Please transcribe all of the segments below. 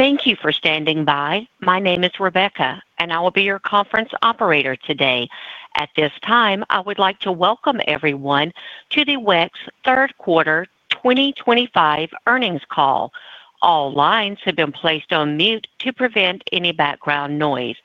Thank you for standing by. My name is Rebecca and I will be your conference operator today. At this time I would like to welcome everyone to the WEX Third Quarter 2025 Earnings Call. All lines have been placed on mute to prevent any background noise.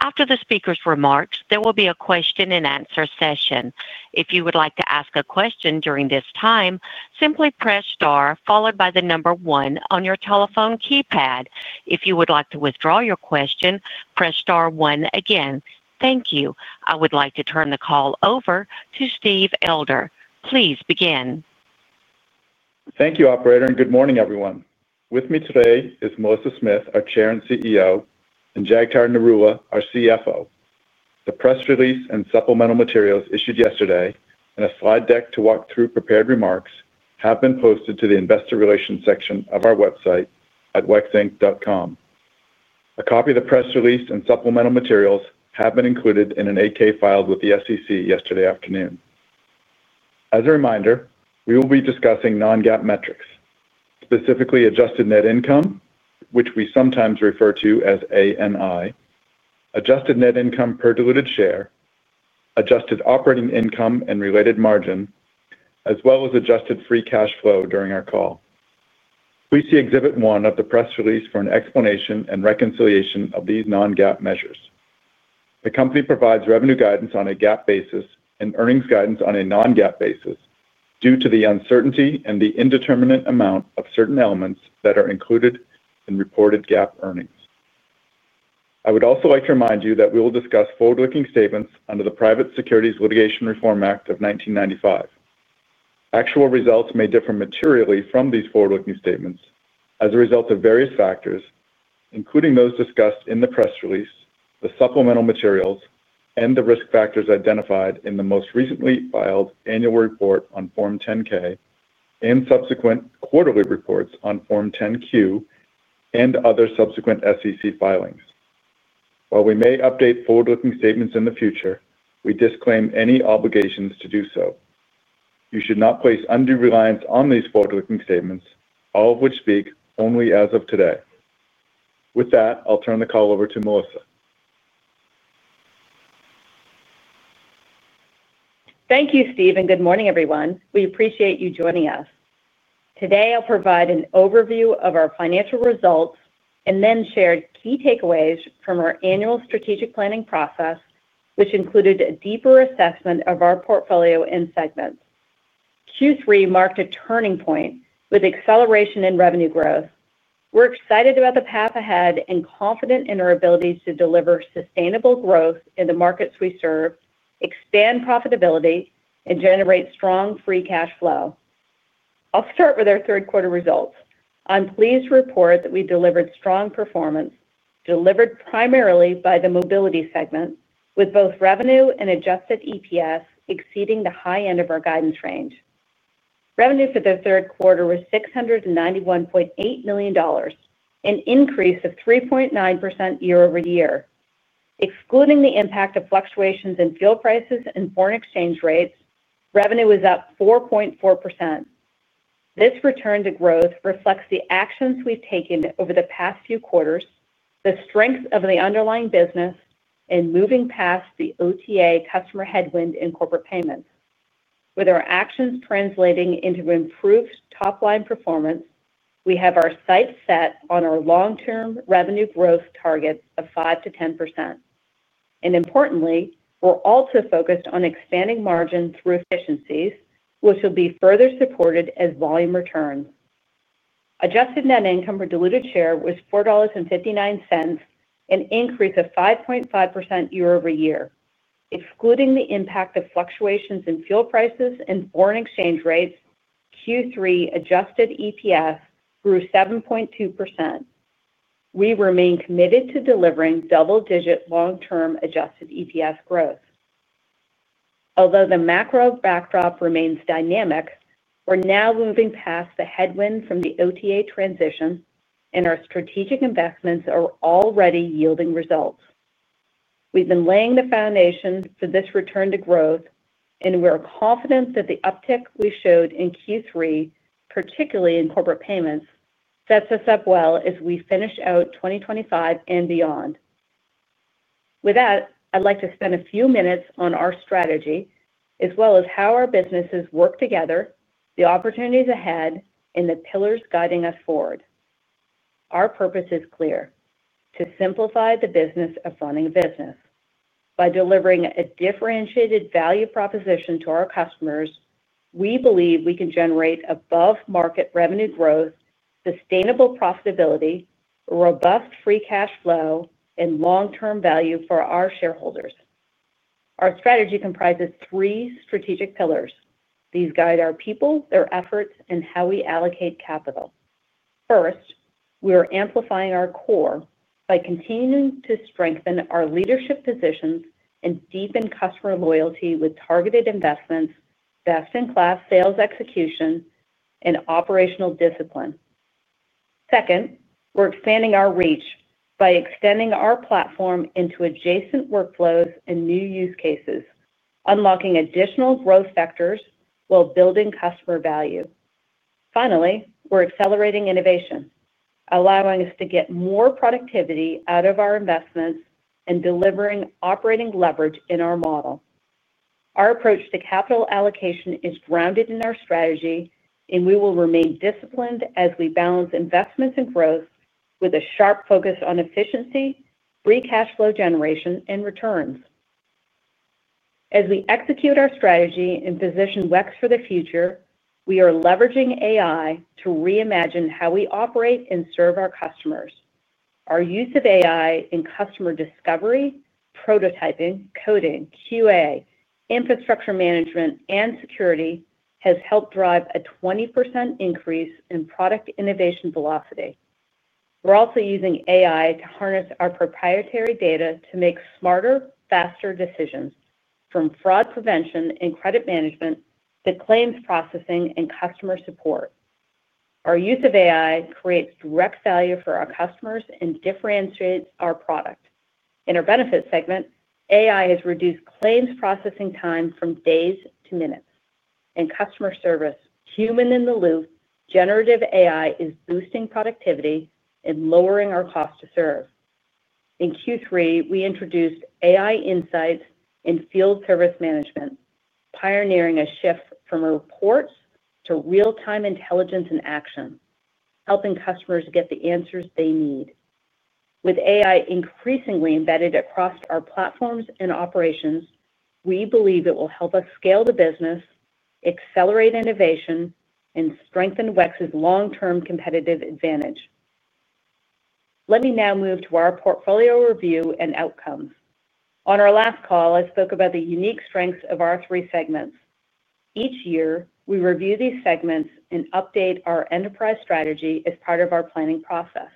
After the speaker's remarks, there will be a question and answer session. If you would like to ask a question during this time, simply press star followed by the number one on your telephone keypad. If you would like to withdraw your question, press star one again. Thank you. I would like to turn the call over to Steve Elder. Please begin. Thank you, Operator, and good morning, everyone. With me today is Melissa Smith, our Chair and CEO, and Jagtar Narula, our CFO. The press release and supplemental materials issued yesterday and a slide deck to walk through prepared remarks have been posted to the Investor Relations section of our website at wexinc.com. A copy of the press release and supplemental materials have been included in an 8-K filed with the SEC yesterday afternoon. As a reminder, we will be discussing non-GAAP metrics, specifically adjusted net income, which we sometimes refer to as ANI, adjusted net income per diluted share, adjusted operating income and related margin, as well as adjusted free cash flow during our call. Please see Exhibit 1 of the press release for an explanation and reconciliation of these non-GAAP measures. The company provides revenue guidance on a GAAP basis and earnings guidance on a non-GAAP basis due to the uncertainty and the indeterminate amount of certain elements that are included in reported GAAP earnings. I would also like to remind you that we will discuss forward-looking statements under the Private Securities Litigation Reform Act of 1995. Actual results may differ materially from these forward-looking statements as a result of various factors, including those discussed in the press release, the supplemental materials, and the risk factors identified in the most recently filed annual report on Form 10-K and subsequent quarterly reports on Form 10-Q and other subsequent SEC filings. While we may update forward-looking statements in the future, we disclaim any obligations to do so. You should not place undue reliance on these forward-looking statements, all of which speak only as of today. With that, I'll turn the call over to Melissa. Thank you, Steve, and good morning, everyone. We appreciate you joining us today. I'll provide an overview of our financial results and then share key takeaways from our annual strategic planning process, which included a deeper assessment of our portfolio and segments. Q3 marked a turning point with acceleration in revenue growth. We're excited about the path ahead and confident in our ability to deliver sustainable growth in the markets we serve, expand profitability, and generate strong free cash flow. I'll start with our third quarter results. I'm pleased to report that we delivered strong performance, driven primarily by the Mobility segment, with both revenue and adjusted EPS exceeding the high end of our guidance range. Revenue for the third quarter was $691.8 million, an increase of 3.9% year-over-year. Excluding the impact of fluctuations in fuel prices and foreign exchange rates, revenue was up 4.4%. This return to growth reflects the actions we've taken over the past few quarters, the strength of the underlying business, and moving past the OTA customer headwind in Corporate Payments. With our actions translating into improved top line performance, we have our sights set on our long-term revenue growth target of 5%-10%. Importantly, we're also focused on expanding margin through efficiencies, which will be further supported as volume returns. Adjusted net income per diluted share was $4.59, an increase of 5.5% year-over-year. Excluding the impact of fluctuations in fuel prices and foreign exchange rates, Q3 adjusted EPS grew 7.2%. We remain committed to delivering double-digit long-term adjusted EPS growth. Although the macro backdrop remains dynamic, we're now moving past the headwind from the OTA transition, and our strategic investments are already yielding results. We've been laying the foundation for this return to growth, and we're confident that the uptick we showed in Q3, particularly in Corporate Payments, sets us up well as we finish out 2025 and beyond. With that, I'd like to spend a few minutes on our strategy as well as how our businesses work together, the opportunities ahead, and the pillars guiding us forward. Our purpose is clear: to simplify the business of running a business. By delivering a differentiated value proposition to our customers, we believe we can generate above-market revenue growth, sustainable profitability, robust free cash flow, and long-term value for our shareholders. Our strategy comprises three strategic pillars. These guide our people, their efforts, and how we allocate capital. First, we are amplifying our core by continuing to strengthen our leadership positions and deepen customer loyalty with targeted investments, best-in-class sales, execution, and operational discipline. Second, we're expanding our reach by extending our platform into adjacent workflows and new use cases, unlocking additional growth factors while building customer value. Finally, we're accelerating innovation, allowing us to get more productivity out of our investments and delivering operating leverage in our model. Our approach to capital allocation is grounded in our strategy, and we will remain disciplined as we balance investments and growth with a sharp focus on efficiency, free cash flow generation, and returns. As we execute our strategy and position WEX for the future, we are leveraging AI to reimagine how we operate and serve our customers. Our use of AI in customer discovery, prototyping, coding, QA, infrastructure management, and security has helped drive a 20% increase in product innovation velocity. We're also using AI to harness our proprietary data to make smarter, faster decisions. From fraud prevention and credit management to claims processing and customer support, our use of AI creates direct value for our customers and differentiates our product. In our Benefits segment, AI has reduced claims processing time from days to minutes, and customer service Human in the Loop Generative AI is boosting productivity and lowering our cost to serve. In Q3, we introduced AI insights in field service management, pioneering a shift from reports to real-time intelligence and action, helping customers get the answers they need. With AI increasingly embedded across our platforms and operations, we believe it will help us scale the business, accelerate innovation, and strengthen WEX's long-term competitive advantage. Let me now move to our portfolio review and outcomes. On our last call, I spoke about the unique strengths of our three segments. Each year, we review these segments and update our enterprise strategy as part of our planning process.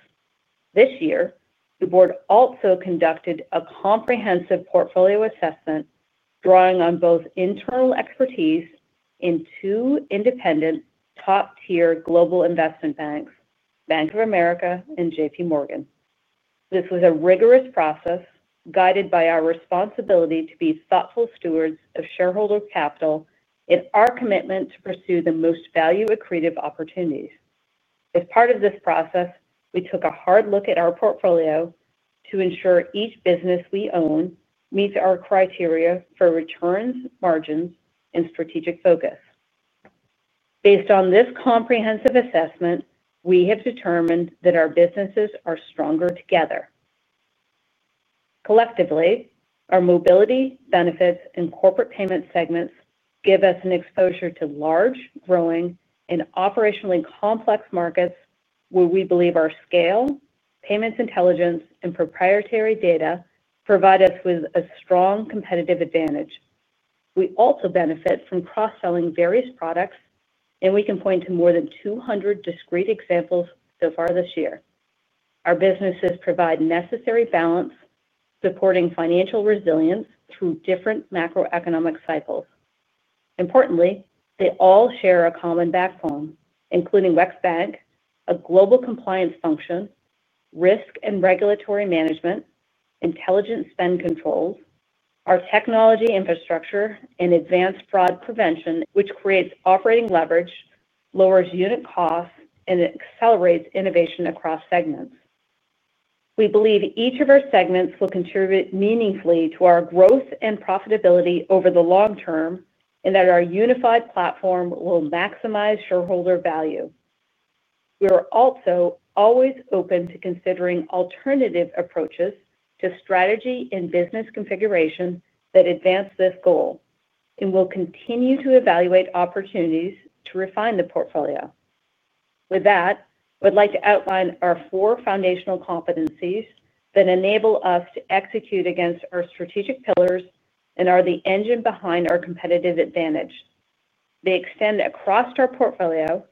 This year, the Board also conducted a comprehensive portfolio assessment, drawing on both internal expertise and two independent top-tier global investment banks, Bank of America and JPMorgan. This was a rigorous process guided by our responsibility to be thoughtful stewards of shareholder capital in our commitment to pursue the most value accretive opportunities. As part of this process, we took a hard look at our portfolio to ensure each business we own meets our criteria for returns, margins, and strategic focus. Based on this comprehensive assessment, we have determined that our businesses are stronger together. Collectively, our Mobility, Benefits, and Corporate Payments segments give us an exposure to large, growing, and operationally complex markets where we believe our scale, payments, intelligence, and proprietary data provide us with a strong competitive advantage. We also benefit from cross-selling various products, and we can point to more than 200 discrete examples so far this year. Our businesses provide necessary balance, supporting financial resilience through different macroeconomic cycles. Importantly, they all share a common backbone including WEX Bank, a global compliance function, risk and regulatory management, intelligent spend controls, our technology infrastructure, and advanced fraud prevention, which creates operating leverage, lowers unit costs, and accelerates innovation across segments. We believe each of our segments will contribute meaningfully to our growth and profitability over the long term and that our unified platform will maximize shareholder value. We are also always open to considering alternative approaches to strategy and business configuration that advance this goal, and we'll continue to evaluate opportunities to refine the portfolio. With that, I would like to outline our four foundational competencies that enable us to execute against our strategic pillars and are the engine behind our competitive advantage. They extend across our portfolio,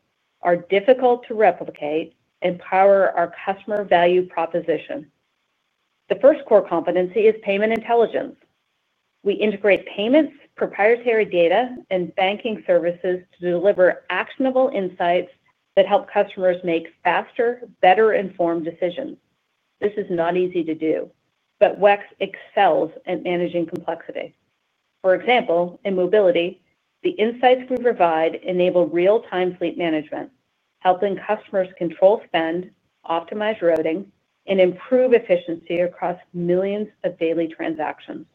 are difficult to replicate, and power our customer value proposition. The first core competency is payment intelligence. We integrate payments, proprietary data, and banking services to deliver actionable insights that help customers make faster, better informed decisions. This is not easy to do, but WEX excels at managing complexity. For example, in Mobility, the insights we provide enable real-time fleet management, helping customers control spend, optimize routing, and improve efficiency across millions of daily transactions.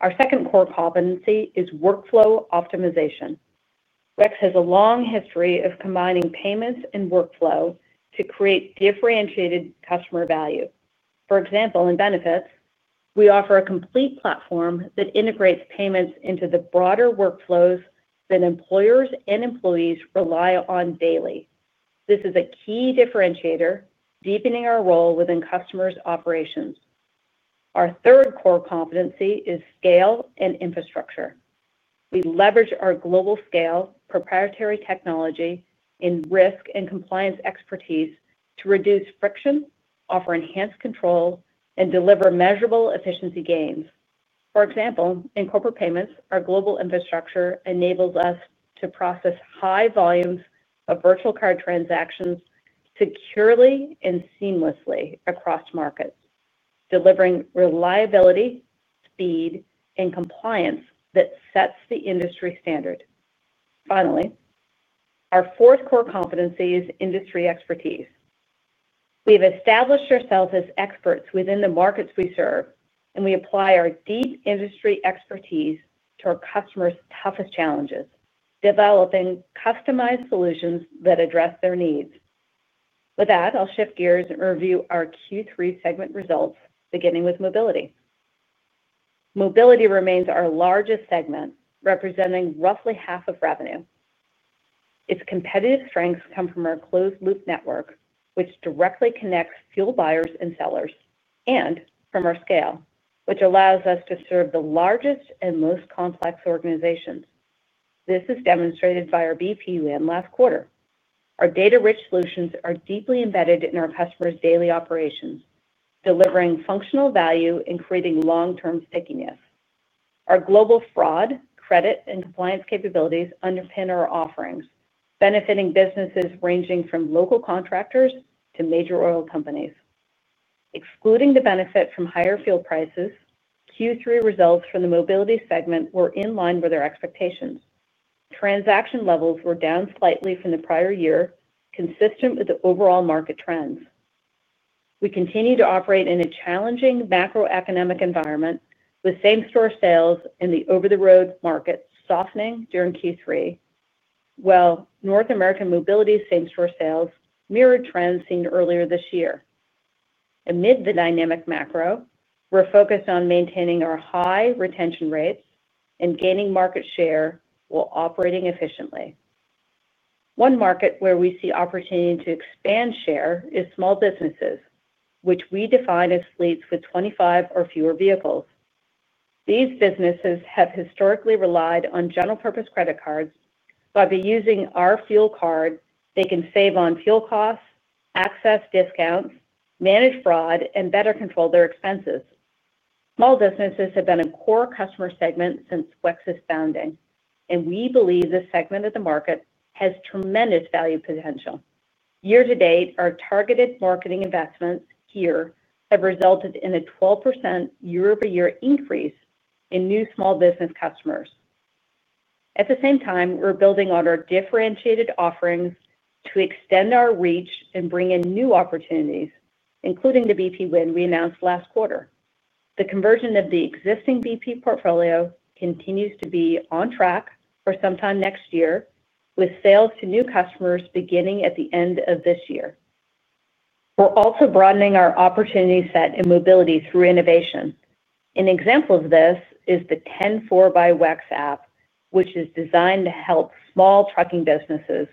Our second core competency is workflow optimization. WEX has a long history of combining payments and workflow to create differentiated customer value. For example, in Benefits we offer a complete platform that integrates payments into the broader workflows that employers and employees rely on daily. This is a key differentiator, deepening our role within customers' operations. Our third core competency is scale and infrastructure. We leverage our global scale, proprietary technology, and risk and compliance expertise to reduce friction, offer enhanced control, and deliver measurable efficiency gains. For example, in Corporate Payments, our global infrastructure enables us to process high volumes of virtual card transactions securely and seamlessly across markets, delivering reliability, speed, and compliance that sets the industry standard. Finally, our fourth core competency is industry expertise. We have established ourselves as experts within the markets we serve, and we apply our deep industry expertise to our customers' toughest challenges, developing customized solutions that address their needs. With that, I'll shift gears and review our Q3 segment results, beginning with Mobility. Mobility remains our largest segment, representing roughly half of revenue. Its competitive strengths come from our closed loop network, which directly connects fuel buyers and sellers, and from our scale, which allows us to serve the largest and most complex organizations. This is demonstrated by our BP win last quarter. Our data-rich solutions are deeply embedded in our customers' daily operations, delivering functional value and creating long-term stickiness. Our global fraud, credit, and compliance capabilities underpin our offerings, benefiting businesses ranging from local contractors to major oil companies. Excluding the benefit from higher fuel prices, Q3 results from the Mobility segment were in line with our expectations. Transaction levels were down slightly from the prior year, consistent with the overall market trends. We continue to operate in a challenging macroeconomic environment, with same store sales in the over the road market softening during Q3, while North American Mobility same store sales mirrored trends seen earlier this year. Amid the dynamic macro, we're focused on maintaining our high retention rates and gaining market share while operating efficiently. One market where we see opportunity to expand share is small businesses, which we define as fleets with 25 or fewer vehicles. These businesses have historically relied on general purpose credit cards. By using our fuel card, they can save on fuel costs, access discounts, manage fraud, and better control their expenses. Small businesses have been a core customer segment since WEX's founding, and we believe this segment of the market has tremendous value potential. Year to date, our targeted marketing investments here have resulted in a 12% year-over-year increase in new small business customers. At the same time, we're building on our differentiated offerings to extend our reach and bring in new opportunities, including the BP win we announced last quarter. The conversion of the existing BP portfolio continues to be on track for sometime next year, with sales to new customers beginning at the end of this year. We're also broadening our opportunity set in Mobility through innovation. An example of this is the 104 by WEX app, which is designed to help small trucking businesses,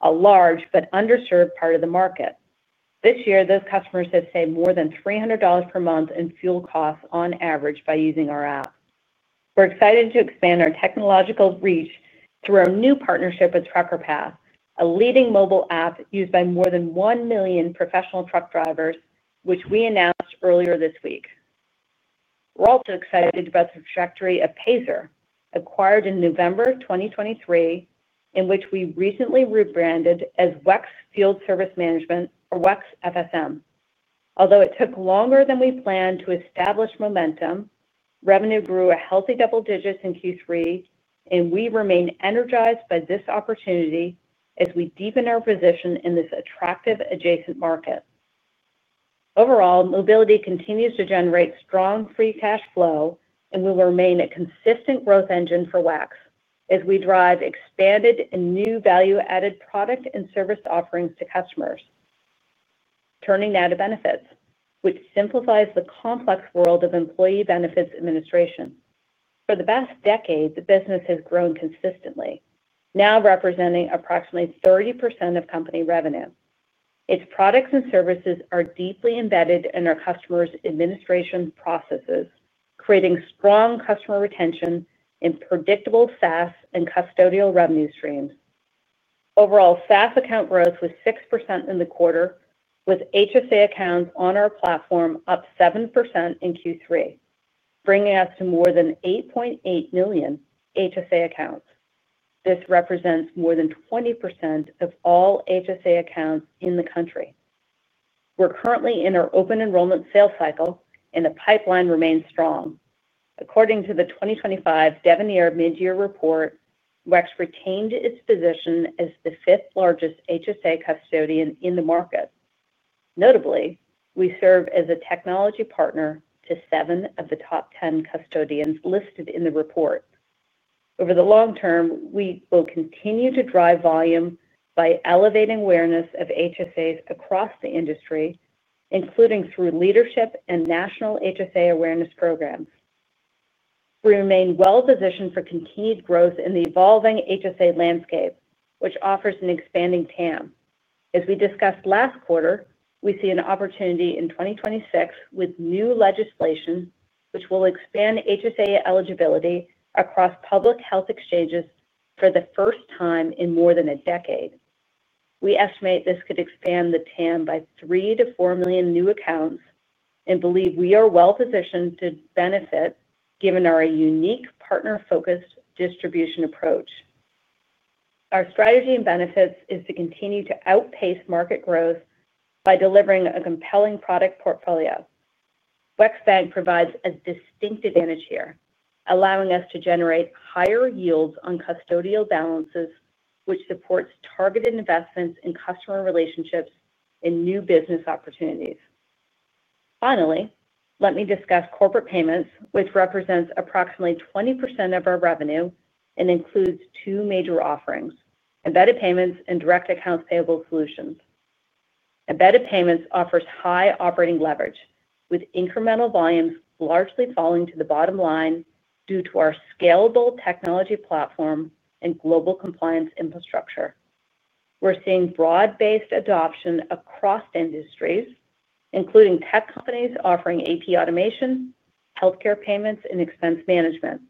a large but underserved part of the market. This year those customers have saved more than $300 per month in fuel costs on average by using our app. We're excited to expand our technological reach through our new partnership with Trucker Path, a leading mobile app used by more than 1 million professional truck drivers, which we announced earlier this week. We're also excited about acquired in November 2023, which we recently rebranded as WEX Field Service Management or WEX FSM. Although it took longer than we planned to establish momentum, revenue grew a healthy double digits in Q3, and we remain energized by this opportunity as we deepen our position in this attractive adjacent market. Overall, Mobility continues to generate strong free cash flow, and we will remain a consistent growth engine for WEX as we drive expanded and new value-added product and service offerings to customers. Turning now to Benefits, which simplifies the complex world of employee benefits administration. For the past decade, the business has grown consistently, now representing approximately 30% of company revenue. Its products and services are deeply embedded in our customers' administration processes, creating strong customer retention and predictable SaaS and custodial revenue streams. Overall SaaS account growth was 6% in the quarter, with HSA accounts on our platform up 7% in Q3, bringing us to more than 8.8 million HSA accounts. This represents more than 20% of all HSA accounts in the country. We're currently in our open enrollment sales cycle, and the pipeline remains strong. According to the 2025 Devonniere Mid Year report, WEX retained its position as the fifth largest HSA custodian in the market. Notably, we serve as a technology partner to seven of the top 10 custodians listed in the report. Over the long term, we will continue to drive volume by elevating awareness of HSAs across the industry, including through leadership and national HSA awareness programs. We remain well positioned for continued growth in the evolving HSA landscape, which offers an expanding TAM. As we discussed last quarter, we see an opportunity in 2026 with new legislation which will expand HSA eligibility across public health exchanges for the first time in more than a decade. We estimate this could expand the TAM by 3 million-4 million new accounts and believe we are well positioned to benefit given our unique partner-focused distribution approach. Our strategy in Benefits is to continue to outpace market growth by delivering a compelling product portfolio. WexBank provides a distinct advantage here, allowing us to generate higher yields on custodial balances, which supports targeted investments in customer relationships and new business opportunities. Finally, let me discuss Corporate Payments, which represents approximately 20% of our revenue and includes two major offerings: embedded payments and direct accounts payable solutions. Embedded payments offer high operating leverage, with incremental volumes largely falling to the bottom line. Due to our scalable technology platform and global compliance infrastructure, we're seeing broad-based adoption across industries, including tech companies offering AP automation, healthcare payments, and expense management.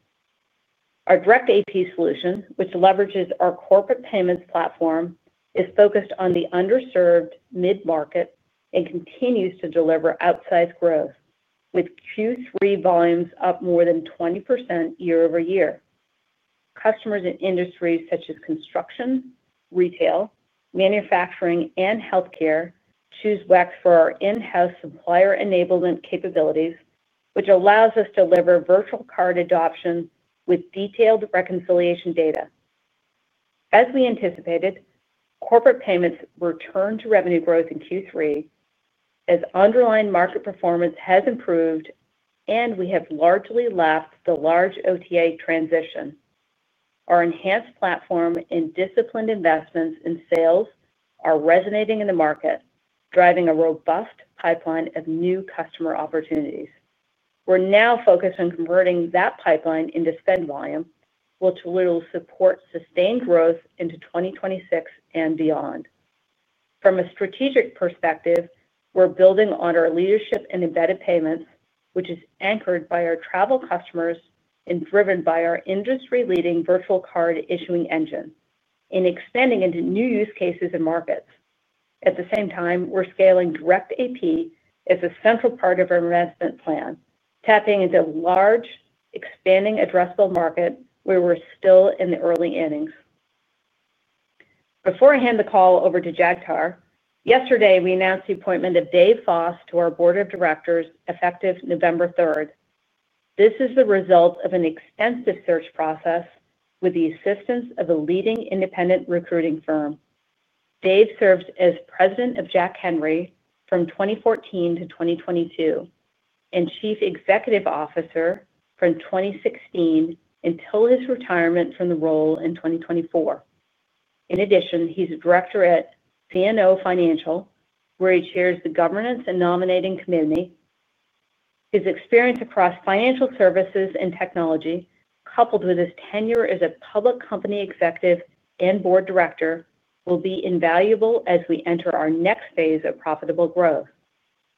Our direct AP solution, which leverages our Corporate Payments platform, is focused on the underserved mid-market and continues to deliver outsized growth, with Q3 volumes up more than 20% year-over-year. Customers in industries such as construction, retail, manufacturing, and healthcare choose WEX for our in-house supplier enablement capabilities, which allow us to deliver virtual card adoption with detailed reconciliation data. As we anticipated, Corporate Payments returned to revenue growth in Q3 as underlying market performance has improved and we have largely left the large OTA customer transition. Our enhanced platform and disciplined investments in sales are resonating in the market, driving a robust pipeline of new customer opportunities. We're now focused on converting that pipeline into spend volume to support sustained growth into 2026 and beyond. From a strategic perspective, we're building on our leadership in embedded payments, which is anchored by our travel customers and driven by our industry-leading virtual card issuing engine, and expanding into new use cases and markets. At the same time, we're scaling direct AP as a central part of our investment plan, tapping into a large, expanding addressable market where we're still in the early innings. Before I hand the call over to Jagtar, yesterday we announced the appointment of Dave Foss to our Board of Directors, effective November 3rd. This is the result of an extensive search process with the assistance of a leading independent recruiting firm. Dave served as President of Jack Henry from 2014-2022 and Chief Executive Officer from 2016 until his retirement from the role in 2024. In addition, he's a Director at CNO Financial, where he chairs the Governance and Nominating Committee. His experience across financial services and technology, coupled with his tenure as a public company executive and Board Director, will be invaluable as we enter our next phase of profitable growth.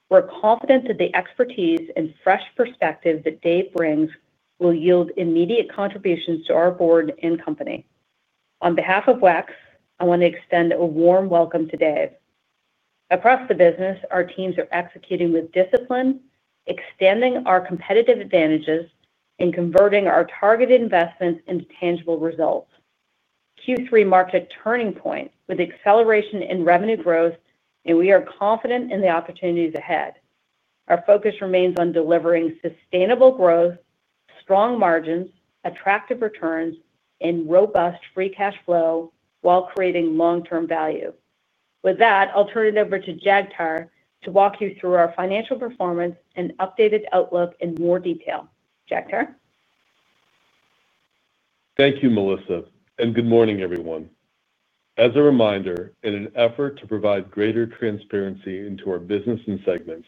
We're confident that the expertise and fresh perspective that Dave brings will yield immediate contributions to our Board and company. On behalf of WEX, I want to extend a warm welcome to Dave. Across the business, our teams are executing with discipline, extending our competitive advantages, and converting our targeted investments into tangible results. Q3 marked a turning point with acceleration in revenue growth, and we are confident in the opportunities ahead. Our focus remains on delivering sustainable growth, strong margins, attractive returns, and robust free cash flow while creating long-term value. With that, I'll turn it over to Jagtar to walk you through our financial performance and updated outlook in more detail. Jagtar. Thank you Melissa and good morning everyone. As a reminder, in an effort to provide greater transparency into our business and segments,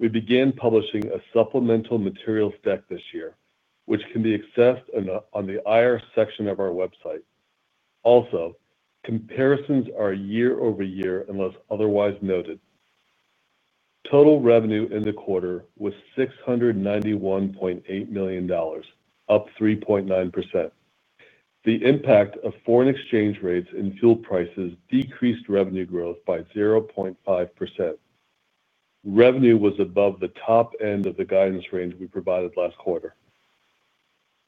we began publishing a Supplemental Materials deck this year, which can be accessed on the IR section of our website. Also, comparisons are year-over-year unless otherwise noted. Total revenue in the quarter was $691.8 million, up 3.9%. The impact of foreign exchange rates and fuel prices decreased revenue growth by 0.5%. Revenue was above the top end of the guidance range we provided last quarter.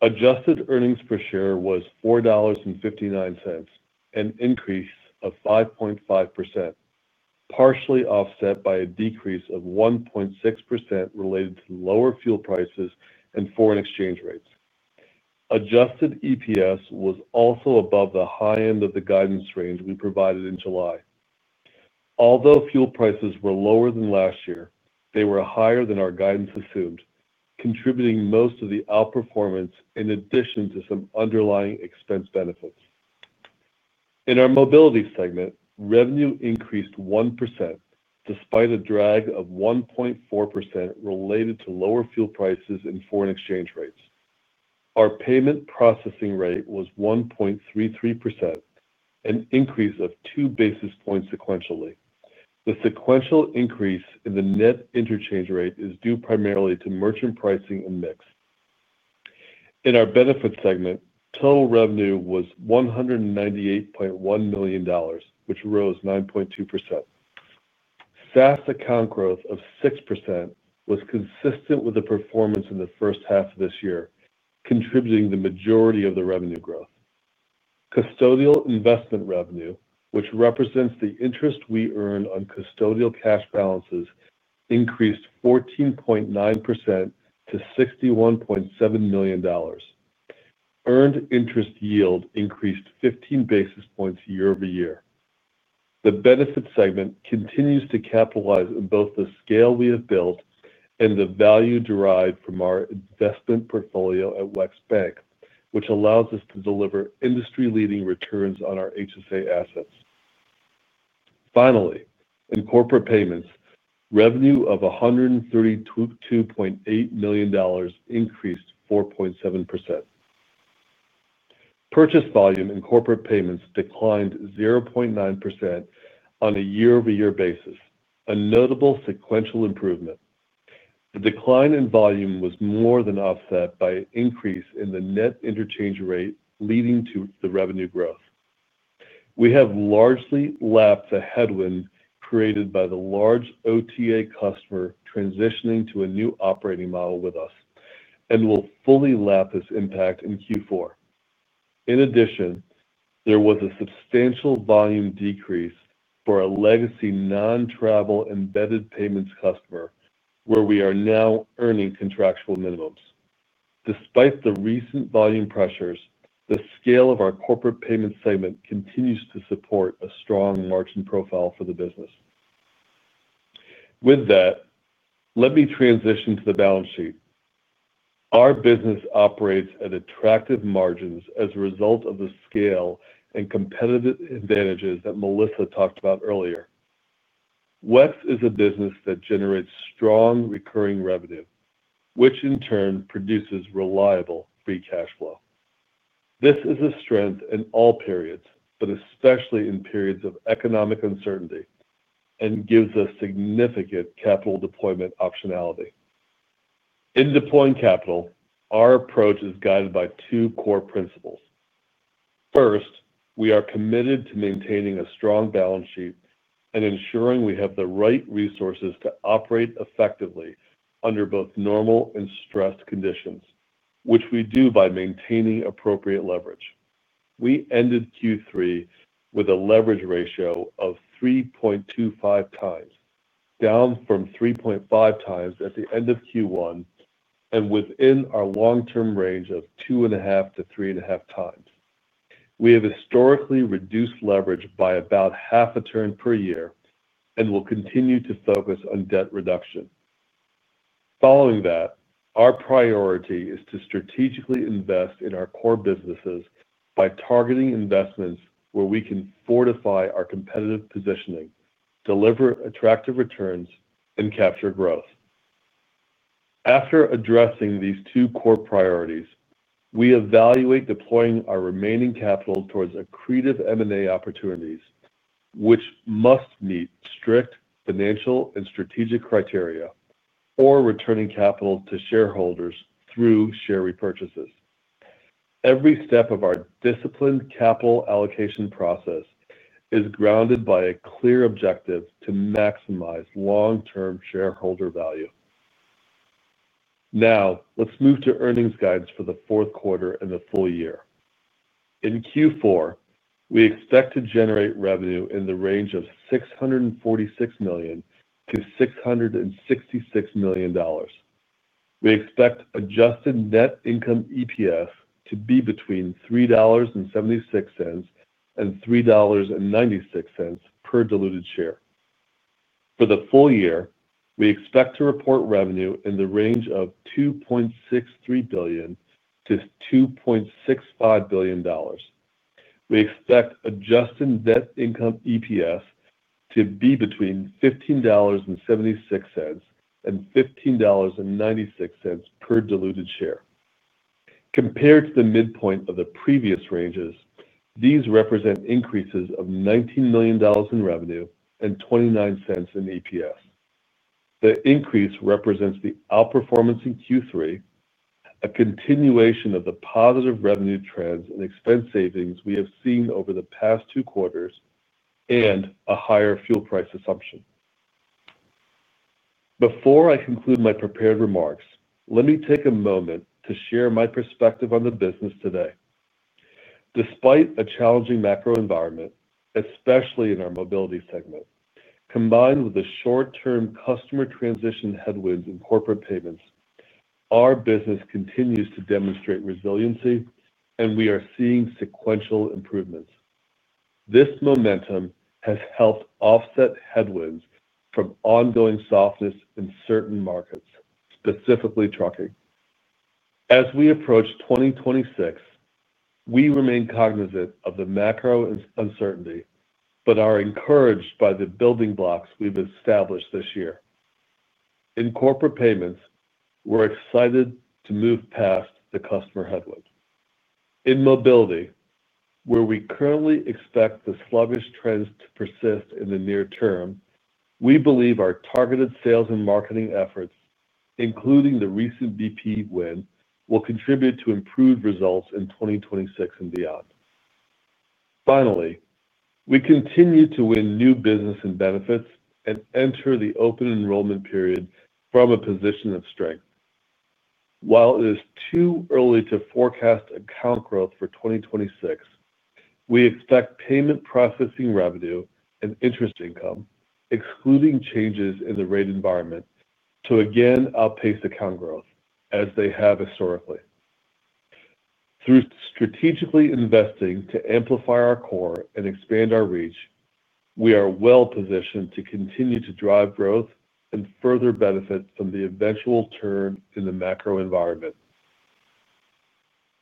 Adjusted earnings per share was $4.59, an increase of 5.5%, partially offset by a decrease of 1.6% related to lower fuel prices and foreign exchange rates. Adjusted EPS was also above the high end of the guidance range we provided in July. Although fuel prices were lower than last year, they were higher than our guidance assumed, contributing most of the outperformance in addition to some underlying expense benefits. In our Mobility segment, revenue increased 1% despite a drag of 1.4% related to lower fuel prices and foreign exchange rates. Our payment processing rate was 1.33%, an increase of 2 basis points sequentially. The sequential increase in the net interchange rate is due primarily to merchant pricing and mix. In our Benefits segment, total revenue was $198.1 million, which rose 9.2%. SaaS account growth of 6% was consistent with the performance in the first half of this year, contributing the majority of the revenue growth. Custodial investment revenue, which represents the interest we earn on custodial cash balances, increased 14.9% to $61.7 million. Earned interest yield increased 15 basis points year-over-year. The Benefits segment continues to capitalize on both the scale we have built and the value derived from our investment portfolio at WEX bank, which allows us to deliver industry leading returns on our HSA assets. Finally, in Corporate Payments, revenue of $132.8 million increased 4.7%. Purchase volume in Corporate Payments declined 0.9% on a year-over-year basis, a notable sequential improvement. The decline in volume was more than offset by increase in the net interchange rate, leading to the revenue growth. We have largely lapped the headwind created by the large OTA customer transitioning to a new operating model with us and will fully lap this impact in Q4. In addition, there was a substantial volume decrease for a legacy non-travel embedded payments customer where we are now earning contractual minimums. Despite the recent volume pressures, the scale of our Corporate Payments segment continues to support a strong margin profile for the business. With that, let me transition to the balance sheet. Our business operates at attractive margins as a result of the scale and competitive advantages that Melissa talked about earlier. WEX is a business that generates strong recurring revenue, which in turn produces reliable free cash flow. This is a strength in all periods, but especially in periods of economic uncertainty and gives us significant capital deployment optionality in deploying capital. Our approach is guided by two core principles. First, we are committed to maintaining a strong balance sheet and ensuring we have the right resources to operate effectively under both normal and stressed conditions, which we do by maintaining appropriate leverage. We ended Q3 with a leverage ratio of 3.25x, down from 3.5x at the end of Q1 and within our long-term range of 2.5x-3.5x. We have historically reduced leverage by about half a turn per year and will continue to focus on debt reduction. Following that, our priority is to strategically invest in our core businesses by targeting investments where we can fortify our competitive positioning, deliver attractive returns, and capture growth. After addressing these two core priorities, we evaluate deploying our remaining capital towards accretive M&A opportunities, which must meet strict financial and strategic criteria, or returning capital to shareholders through share repurchases. Every step of our disciplined capital allocation process is grounded by a clear objective to maximize long-term shareholder value. Now let's move to earnings guidance. For the fourth quarter and the full year in Q4, we expect to generate revenue in the range of $646 million-$666 million. We expect adjusted net income EPS to be between $3.76 and $3.96 per diluted share. For the full year, we expect to report revenue in the range of $2.63 billion-$2.65 billion. We expect adjusted net income EPS to be between $15.76 and $15.96 per diluted share. Compared to the midpoint of the previous ranges, these represent increases of $19 million in revenue and $0.29 in EPS. The increase represents the outperformance in Q3, a continuation of the positive revenue trends and expense savings we have seen over the past two quarters, and a higher fuel price assumption. Before I conclude my prepared remarks, let me take a moment to share my perspective on the business today. Despite a challenging macro environment, especially in our Mobility segment, combined with the short-term customer transition headwinds in Corporate Payments, our business continues to demonstrate resiliency and we are seeing sequential improvements. This momentum has helped offset headwinds from ongoing softness in certain markets, specifically trucking. As we approach 2026, we remain cognizant of the macro uncertainty but are encouraged by the building blocks we've established this year in Corporate Payments. We're excited to move past the customer headwind in Mobility where we currently expect the sluggish trends to persist. In the near term, we believe our targeted sales and marketing efforts, including the recent BP win, will contribute to improved results in 2026 and beyond. Finally, we continue to win new business in Benefits and enter the open enrollment period from a position of strength. While it is too early to forecast account growth for 2026, we expect payment processing revenue and interest income, excluding changes in the rate environment, to again outpace account growth as they have historically. Through strategically investing to amplify our core and expand our reach, we are well positioned to continue to drive growth and further benefit from the eventual turn in the macro environment.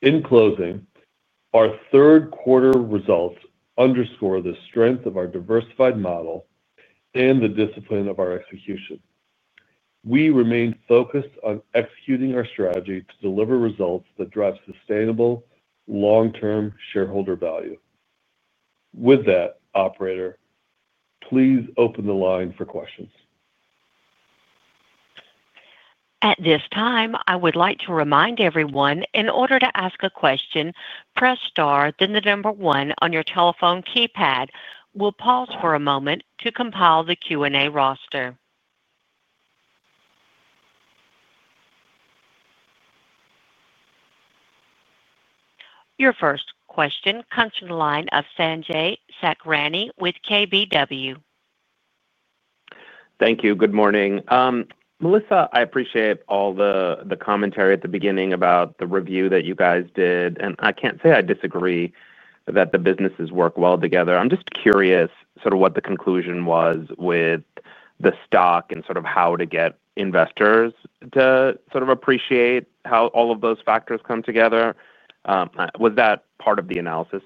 In closing, our third quarter results underscore the strength of our diversified model and the discipline of our execution. We remain focused on executing our strategy to deliver results that drive sustainable long-term shareholder value. With that, operator, please open the line for questions. At this time I would like to remind everyone in order to ask a question, press star, then the number one on your telephone keypad. We'll pause for a moment to compile the Q&A roster. Your first question comes from the line of Sanjay Sakhrani with KBW. Thank you. Good morning, Melissa. I appreciate all the commentary at the beginning about the review that you guys did. I can't say I disagree that the businesses work well together. I'm just curious what the conclusion was with the stock and how to get investors to appreciate how all of those factors come together. Was that part of the analysis?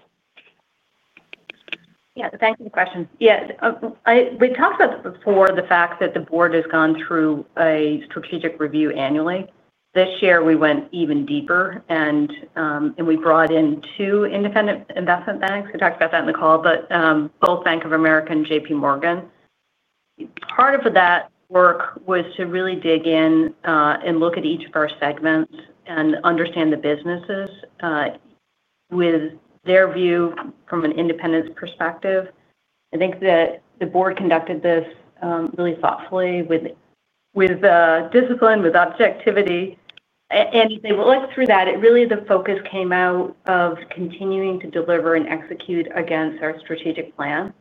Yeah. Thanks for the question. We talked about before the fact that the board has gone through a strategic review annually. This year we went even deeper and we brought in two independent investment banks. We talked about that in the call. Both Bank of America and JPMorgan, part of that work was to really dig in and look at each of our segments and understand the businesses with their view from an independent perspective. I think that the board conducted this really thoughtfully, with discipline, with objectivity, and they looked through that. Really the focus came out of continuing to deliver and execute against our strategic plan.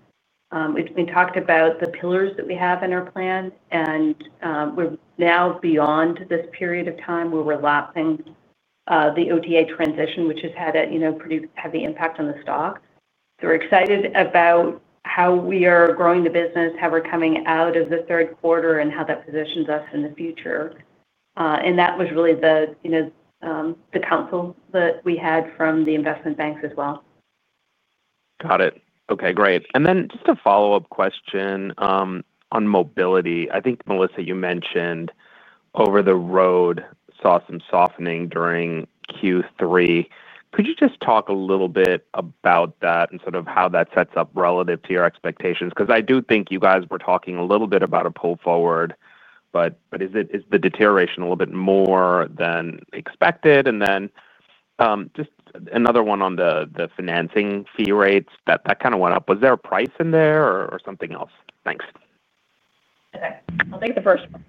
We talked about the pillars that we have in our plan and we're now beyond this period of time where we're lapping the OTA customer transition, which has had a pretty heavy impact on the stock. We're excited about how we are growing the business, how we're coming out of the third quarter and how that positions us in the future. That was really the counsel that we had from the investment banks as well. Got it. Okay, great. Just a follow up question on Mobility. I think, Melissa, you mentioned over the road saw some softening during Q3. Could you just talk a little bit about that and sort of how that sets up relative to your expectations? I do think you guys were talking a little bit about a pull forward. Is the deterioration a little bit more than expected? Just another one on the financing fee rates that kind of went up. Was there a price in there or something else? Thanks. Okay, I'll take the first one.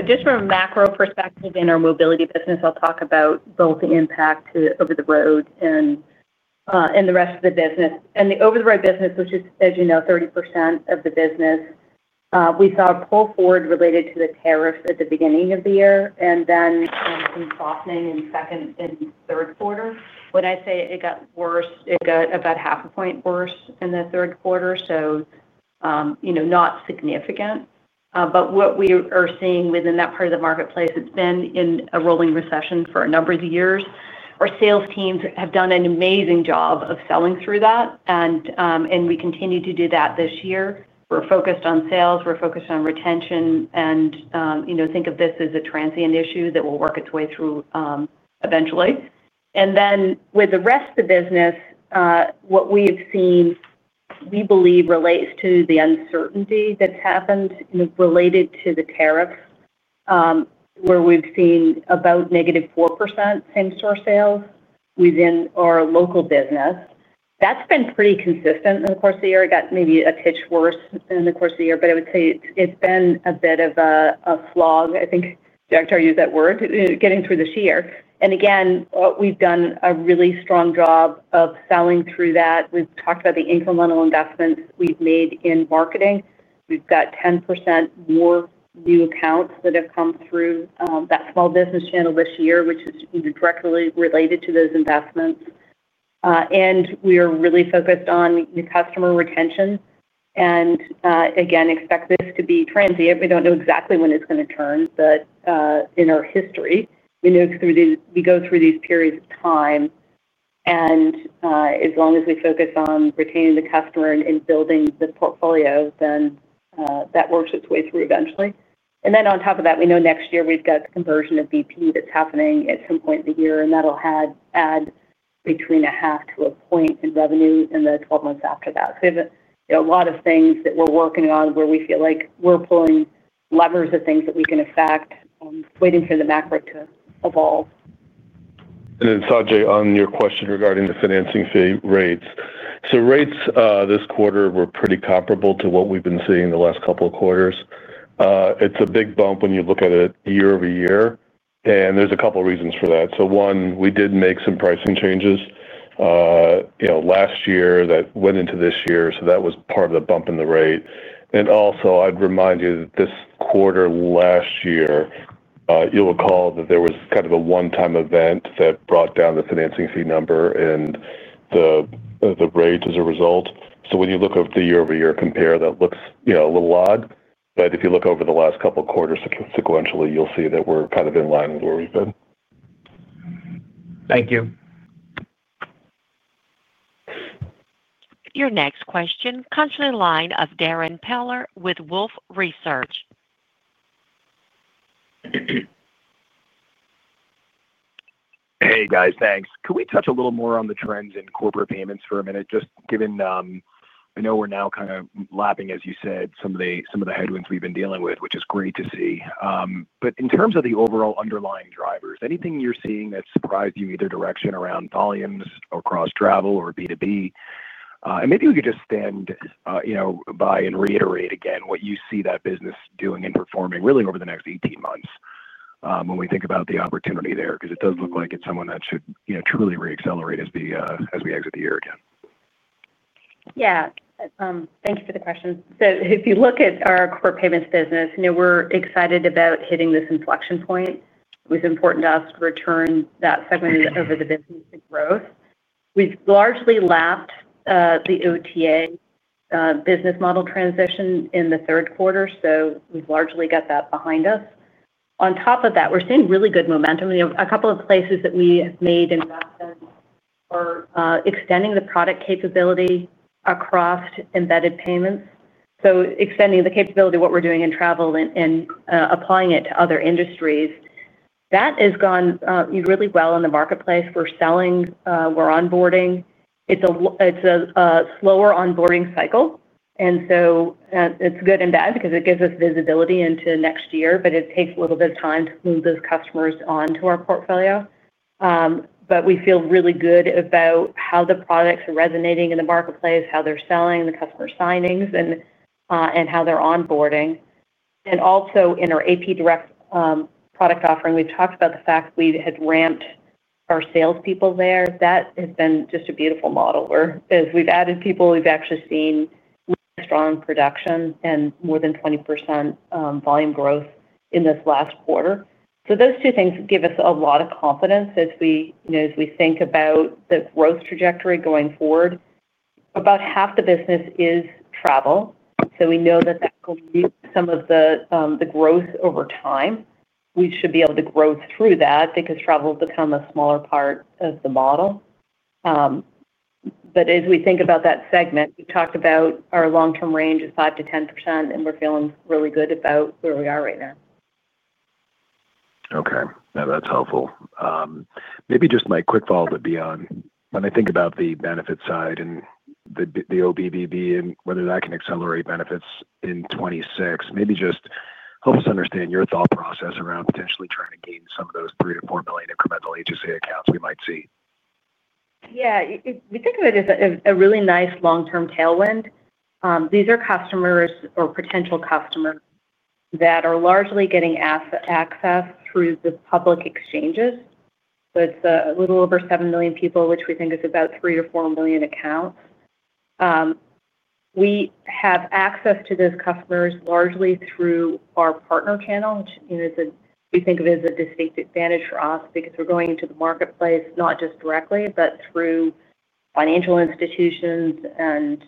Just from a macro perspective in our Mobility business, I'll talk about both the impact over the road and the rest of the business. In the over the road business, which is, as you know, 30% of the business, we saw a pull forward related to the tariffs at the beginning of the year and then some softening in second and third quarter. When I say it got worse, it got about half a point worse in the third quarter, not significant. What we are seeing within that part of the marketplace is that it's been in a rolling recession for a number of years. Our sales teams have done an amazing job of selling through that and we continue to do that this year. We're focused on sales, we're focused on retention. Think of this as a transient issue that will work its way through eventually. With the rest of the business, what we have seen, we believe, relates to the uncertainty that's happened related to the tariffs where we've seen about negative 4% same store sales within our local business. That's been pretty consistent in the course of the year. It got maybe a pinch worse in the course of the year, but I would say it's been a bit of a flu. I think Jagtar used that word getting through this year and again we've done a really strong job of selling through that. We've talked about the incremental investments we've made in marketing. We've got 10% more new accounts that have come through that small business channel this year, which is directly related to those investments. We are really focused on customer retention and again expect this to be transient. We don't know exactly when it's going to turn. In our history we know we go through these periods of time and as long as we focus on retaining the customer and building the portfolio, then that works its way through eventually. On top of that, we know next year we've got conversion of BP that's happening at some point in the year and that'll add between a half to a point in revenue in the 12 months after that. A lot of things that we're working on where we feel like we're pulling levers of things that we can affect, waiting for the macro to evolve. Sanjay, on your question regarding the financing fee rates, rates this quarter were pretty comparable to what we've been seeing the last couple of quarters. It's a big bump when you look at it year-over-year, and there's a couple reasons for that. One, we did make some pricing changes last year that went into this year, so that was part of the bump in the rate. I'd also remind you that this quarter last year, you'll recall that there was kind of a one-time event that brought down the financing fee number and the rate as a result. When you look at the year-over-year compare, that looks a little odd, but if you look over the last couple quarters sequentially, you'll see that we're kind of in line with where we've been. Thank you. Your next question comes from the line of Darrin Peller with Wolfe Research. Hey guys, thanks. Can we touch a little more on the trends in Corporate Payments for a minute, just given I know we're now kind of lapping, as you said, some of the headwinds we've been dealing with, which is great to see. In terms of the overall underlying drivers, anything you're seeing that surprised you either direction around volumes across travel or B2B? Maybe we could just stand by and reiterate again what you see that business doing and performing really over the next 18 months when we think about the opportunity there. It does look like it's someone that should truly reaccelerate as we exit the year again. Yeah, thank you for the question. If you look at our core payments business, we're excited about hitting this inflection point. It was important to us to return that segment of the business to growth. We've largely lapped the OTA business model transition in the third quarter, so we've largely got that behind us. On top of that, we're seeing really good momentum. A couple of places that we have made investments are extending the product capability across embedded payments. Extending the capability of what we're doing in travel and applying it to other industries has gone really well in the marketplace. We're selling, we're onboarding. It's a slower onboarding cycle, which is good and bad because it gives us visibility into next year, but it takes a little bit of time to move those customers onto our portfolio. We feel really good about how the products are resonating in the marketplace, how they're selling, the customer signings, and how they're onboarding. Also, in our AP Direct product offering, we've talked about the fact we had ramped our salespeople there. That has been just a beautiful model where as we've added people, we've actually seen strong production and more than 20% volume growth in this last quarter. Those two things give us a lot of confidence as we think about the growth trajectory going forward. About half the business is travel. We know that some of the growth over time we should be able to grow through that because travel becomes a smaller part of the model. As we think about that segment, we talked about our long-term range of 5% to 10%, and we're feeling really good about where we are right now. Okay, that's helpful. Maybe just my quick follow-up. Beyond when I think about the Benefits side and the OBBB and whether that can accelerate Benefits in 2026, maybe just help us understand your thought process around potentially trying to gain some of those $3 billion-$4 billion incremental Health Savings Accounts we might see. Yeah, we think of it as a really nice long-term tailwind. These are customers or potential customers that are largely getting access through the public exchanges. It's a little over 7 million people, which we think is about 3 million or 4 million accounts. We have access to those customers largely through our partner channel, which we think of as a distinct advantage for us because we're going into the marketplace not just directly, but through financial institutions and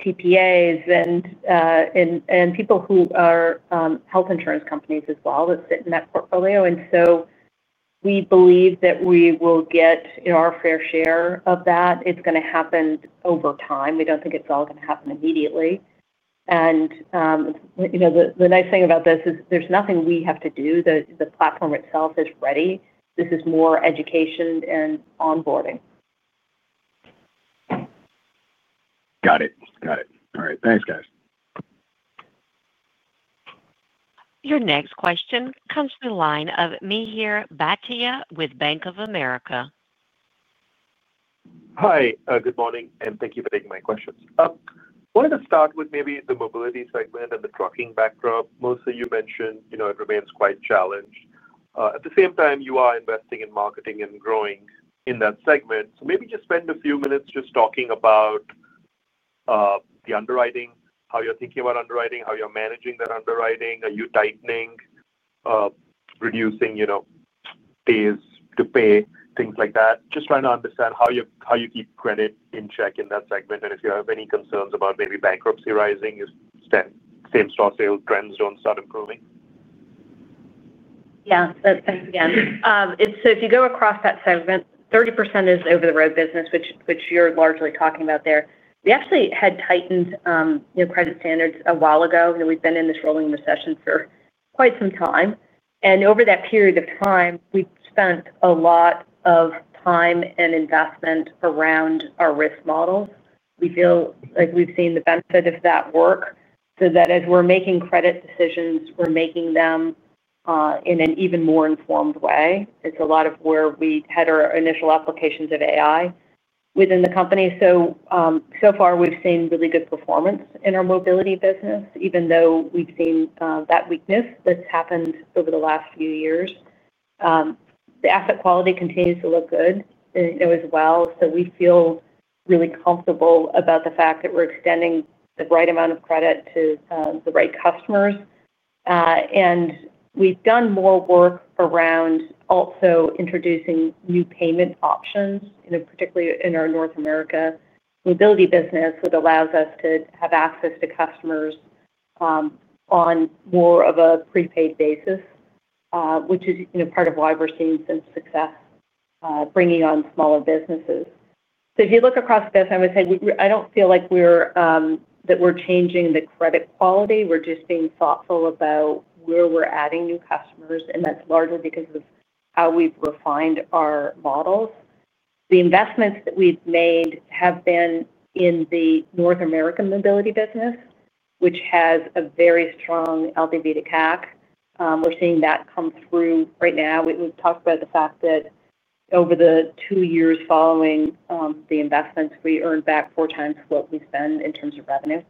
TPAs and people who are health insurance companies as well that sit in that portfolio. We believe that we will get our fair share of that. It's going to happen over time. We don't think it's all going to happen immediately. The nice thing about this is there's nothing we have to do. The platform itself is ready. This is more education and onboarding. Got it, got it. All right, thanks guys. Your next question comes from the line of Mihir Bhatia with Bank of America. Hi, good morning and thank you for taking my questions. Wanted to start with maybe the Mobility segment and the trucking backdrop. Mostly you mentioned it remains quite challenged. At the same time you are investing in marketing and growing in that segment. Maybe just spend a few minutes just talking about the underwriting, how you're thinking about underwriting, how you're managing that underwriting. Are you tightening, reducing, you know, pays to pay, things like that. Just trying to understand how you keep credit in check in that segment. If you have any concerns about maybe bankruptcy rising, same store sales trends don't start improving. Yeah. If you go across that segment, 30% is over the road business, which you're largely talking about there. We actually had tightened credit standards a while ago. We've been in this rolling recession for quite some time, and over that period of time, we spent a lot of time and investment around our risk models. We feel like we've seen the benefit of that work so that as we're making credit decisions, we're making them in an even more informed way. It's a lot of where we had our initial applications of AI within the company. So far we've seen really good performance in our mobility business. Even though we've seen that weakness that's happened over the last few years, the asset quality continues to look good as well. We feel really comfortable about the fact that we're extending the right amount of credit to the right customers. We've done more work around also introducing new payment options, particularly in our North America mobility business, that allows us to have access to customers on more of a prepaid basis, which is part of why we're seeing some success bringing on smaller businesses. If you look across this, I would say I don't feel like we're changing the credit quality. We're just being thoughtful about where we're adding new customers, and that's largely because of how we've refined our models. The investments that we've made have been in the North American mobility business, which has a very strong LP to CAC. We're seeing that come through right now. We've talked about the fact that over the two years following the investments, we earn back four times what we spend in terms of revenue,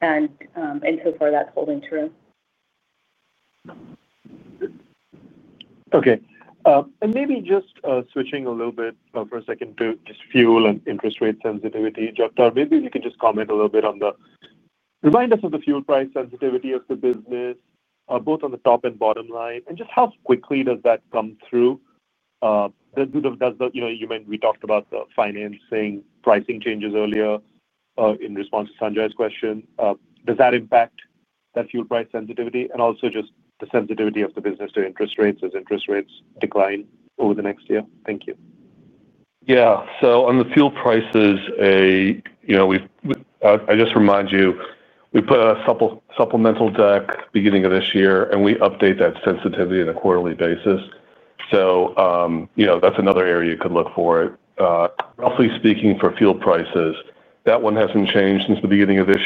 and so far that's holding true. Okay. Maybe just switching a little bit for a second to just fuel and interest rate sensitivity. Jagtar, maybe you can just comment a little bit on the remind us of the fuel price sensitivity of the business both on the top and bottom line. Just how quickly does that come through? You know, we talked about the financing pricing changes earlier in response to Sanjay's question. Does that impact that fuel price sensitivity and also just the sensitivity of the business to interest rates as interest rates decline over the next year? Thank you. Yeah. On the fuel prices, I just remind you we put a supplemental deck at the beginning of this year and we update that sensitivity on a quarterly basis. That's another area you could look for it. Roughly speaking, for fuel prices, that one hasn't changed since the beginning of this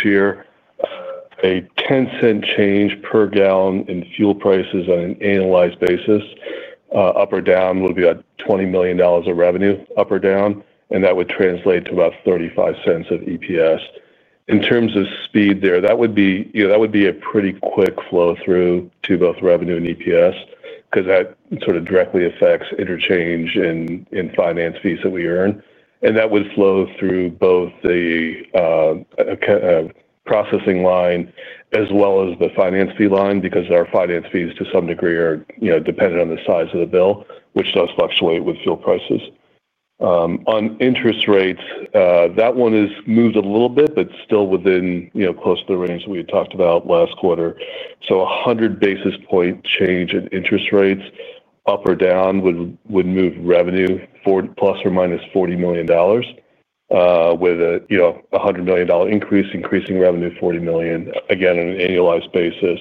year. A $0.10 change per gallon in fuel prices on an annualized basis up or down would be $20 million of revenue up or down, and that would translate to about $0.35 of EPS. In terms of speed, that would be a pretty quick flow through to both revenue and EPS because that directly affects interchange and finance fees that we earn. That would flow through both the processing line as well as the finance fee line because our finance fees to some degree are dependent on the size of the bill, which does fluctuate with fuel prices. On interest rates, that one has moved a little bit, but still within close to the range that we had talked about last quarter. A 100 basis point change in interest rates up or down would move revenue plus or minus $40 million, with a 100 basis point increase increasing revenue $40 million again on an annualized basis,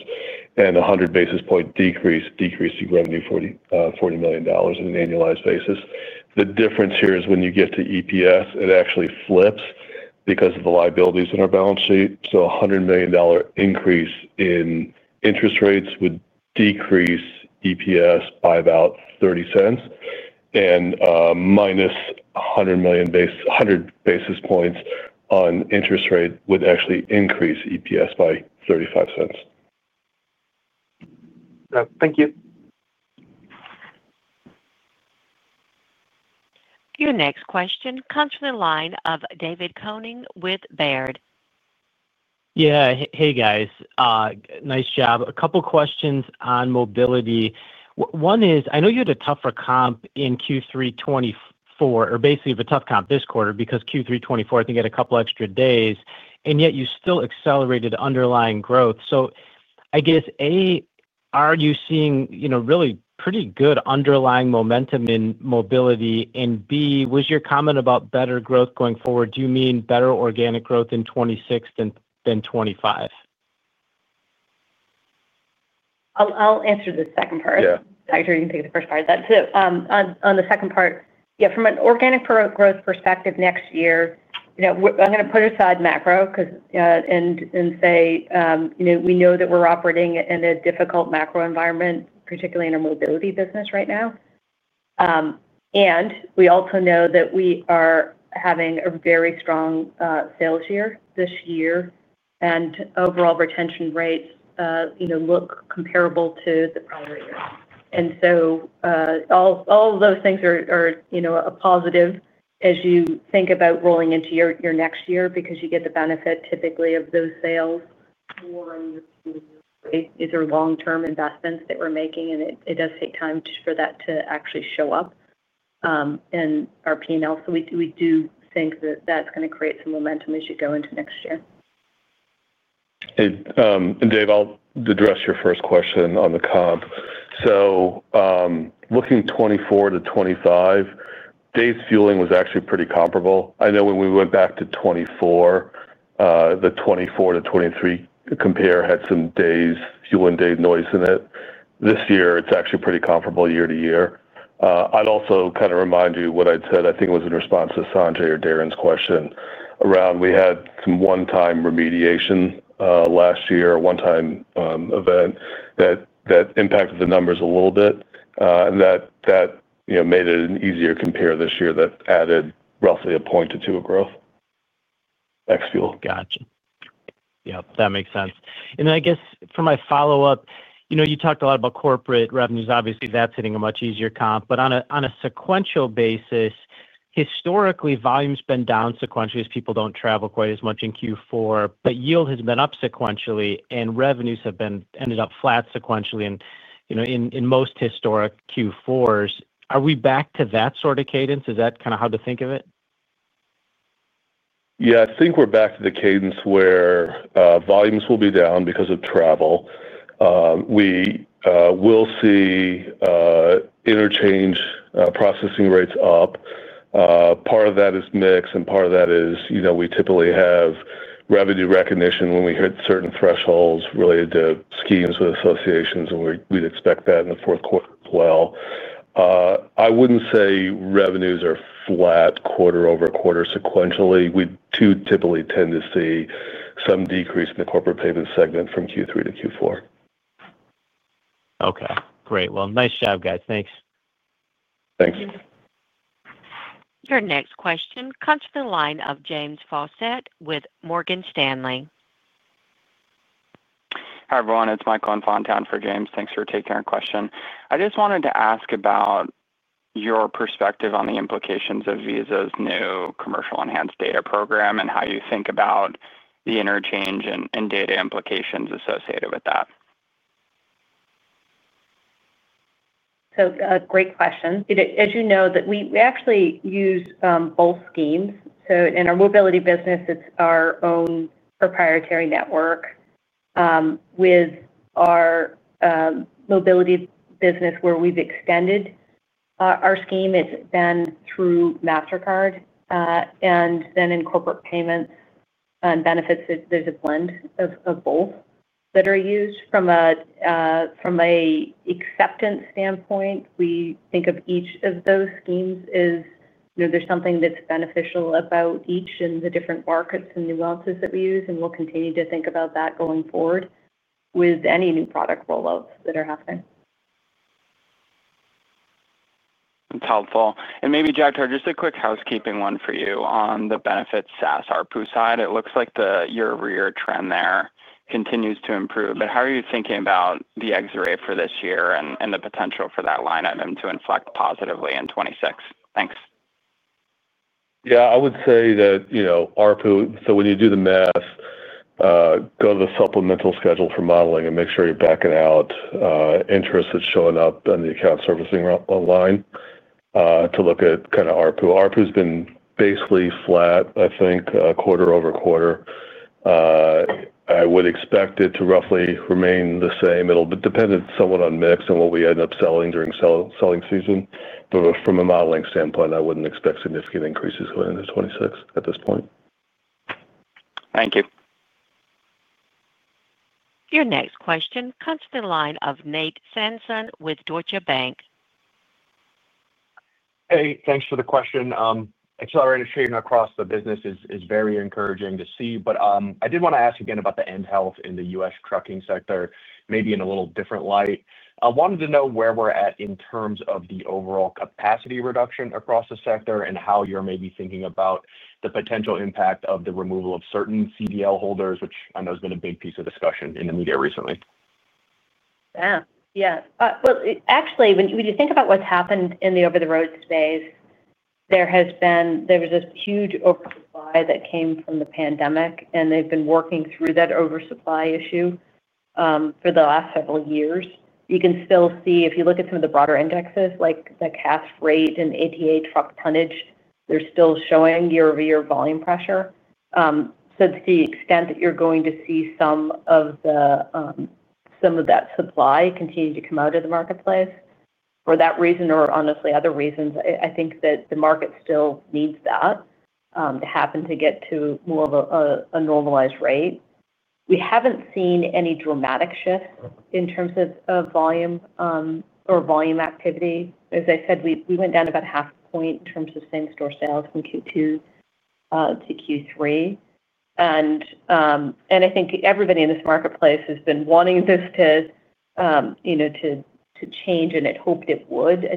and a 100 basis point decrease decreasing revenue $40 million on an annualized basis. The difference here is when you get to EPS, it actually flips because of the liabilities in our balance sheet. A 100 basis point increase in interest rates would decrease EPS by about $0.30, and -100 basis points on interest rate would actually increase EPS by $0.35. Thank you. Your next question comes from the line of David Koning with Baird. Yeah, hey guys, nice job. A couple questions on Mobility. I know you had a. Tougher comp in Q3 2024 or basically the tough comp this quarter because Q3 2024 I think had a couple extra days, and yet you still accelerated underlying growth. I guess, A, are you seeing really pretty good underlying momentum in Mobility, and B, was your comment about better growth going forward? Do you mean better organic growth in 2026 than 2025? I'll answer the second part. You can take the first part of that. On the second part, from an organic growth perspective next year, I'm going to put aside macro and say we know that we're operating in a difficult macro environment, particularly in our Mobility business right now. We also know that we are having a very strong sales year this year, and overall retention rates look comparable to the prior year. All those things are a positive as you think about rolling into your next year because you get the benefit typically of those sales. These are long term investments that we're making, and it does take time for that to actually show up in our P&L. We do think that that's going to create some momentum as you go into next year. Dave, I'll address your first question on the comp. Looking 2024 to 2025, days fueling was actually pretty comparable. I know when we went back to 2024, the 2024 to 2023 compare had some days fueling day noise in it. This year it's actually pretty comparable year to year. I'd also kind of remind you what I'd said. I think it was in response to Sanjay or Darren's question around, we had some one-time remediation last year, a one-time event that impacted the numbers a little bit, and that made it an easier compare this year. That added roughly a point or two of growth ex fuel. Gotcha. Yeah, that makes sense. For my follow. You talked a lot about corporate revenues. Obviously that's hitting a much easier comp, but on a sequential basis, historically volume's been down sequentially as people don't travel quite as much in Q4, but yield has been up sequentially and revenues have ended up flat sequentially. In most historic Q4s, are we back to that sort of cadence? Is that kind of how to think of it? Yeah, I think we're back to the cadence where volumes will be down because of travel. We will see interchange processing rates up. Part of that is mix and part of that is, you know, we typically have revenue recognition when we hit certain thresholds related to schemes with associations. We'd expect that in the fourth quarter as well. I wouldn't say revenues are flat quarter over quarter sequentially. We typically tend to see some decrease in the Corporate Payments segment from Q3-Q4. Okay, great. Nice job, guys. Thanks. Thank you. Your next question comes from the line of James Fawcett with Morgan Stanley. Hi everyone. It's Michael Rosenthal for James. Thanks for taking our question. I just wanted to ask about your perspective on the implications of Visa's new commercial enhanced data program and how you think about the interchange and data implications associated with that. Great question. As you know, we actually use both schemes. In our Mobility business, it's our own proprietary network. With our Mobility business where we've extended our scheme, it's been through MasterCard. In Corporate Payments and Benefits, there's a blend of both that are used from an acceptance standpoint. We think of each of those schemes as there's something that's beneficial about each and the different markets and nuances that we use. We'll continue to think about that going forward with any new product rollouts that are happening. That's helpful, and maybe, Jagtar, just a quick housekeeping one for you. On the Benefits SaaS ARPU side, it looks like the year-over-year trend there continues to improve. How are you thinking about the... For this year and the potential for that line item to inflect positively in 2026? Thanks. Yeah, I would say that you know, ARPU. When you do the math, go to the supplemental schedule for modeling and make sure you back it out. Interest is showing up on the account servicing line to look at kind of ARPU. ARPU has been basically flat, I think, quarter over quarter. I would expect it to roughly remain the same. It will be dependent somewhat on mix and what we end up selling during selling season. From a modeling standpoint, I wouldn't expect significant increases going into 2026 at this point. Thank you. Your next question comes to the line of Nate Sanson with Deutsche Bank. Hey, thanks for the question. Accelerated trading across the business is very encouraging to see. I did want to ask again about the end health in the U.S. trucking sector maybe in a little different light. I wanted to know where we're at in terms of the overall capacity across the sector and how you're maybe thinking about the potential impact of the removal of certain CDL holders, which I know has been a big piece of discussion in the media recently. Actually, when you think about what's happened in the over the road space, there has been a huge oversupply that came from the pandemic and they've been working through that oversupply issue for the last several years. You can still see if you look at some of the broader indexes like the cash rate and ATA truck tonnage, they're still showing year-over-year volume pressure. To the extent that you're going to see some of that supply continue to come out of the marketplace for that reason or honestly other reasons, I think that the market still needs that to happen to get to more of a normalized rate. We haven't seen any dramatic shift in terms of volume or volume activity. As I said, we went down about half a point in terms of same store sales from Q2-Q3. I think everybody in this marketplace has been wanting this to change and hoped it would.